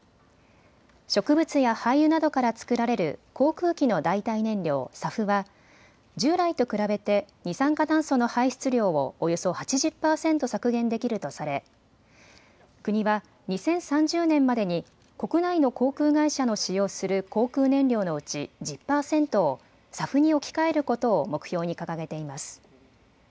植物や廃油などから作られる航空機の代替燃料、ＳＡＦは従来と比べて二酸化炭素の排出量をおよそ８０％削減できるとされ国は２０３０年までに国内の航空会社の使用する航空燃料のうち１０％をＳＡＦに置き換えることを目標に掲げています。